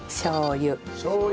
しょう油。